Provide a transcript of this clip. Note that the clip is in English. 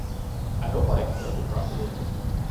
I hope I explained it properly.